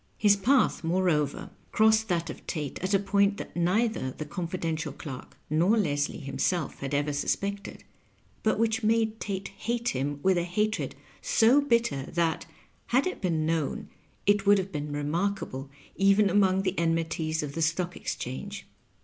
His path, moreover, crossed that of Tate at a point that neither the confidential clerk nor Leslie himself had ever suspected, but which made Tate hate him with a hatred so bitter that, had it been known, it would have been remarkable even among the enmities of the Stock Exchange.